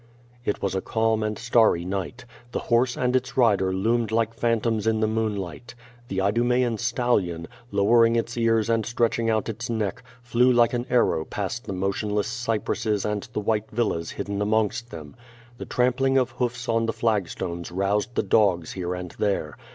It was a calm and starry night. The horse and its rider loomed like phantoms in the moonlight. The Idumean stal lion, lowering its ears and stretching out its neck, flew like an arrow past the motionless cypresses and the white villas hidden amongst them. The trampling of hoofs on the flag stones roused the dogs here and there.